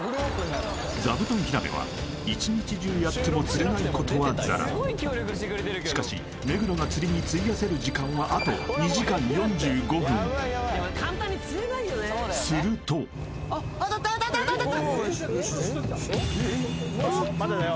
座布団ヒラメは一日中やっても釣れないことはざらしかし目黒が釣りに費やせる時間はあと２時間４５分するとまだだよ